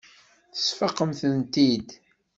Tesfaqem-tent-id.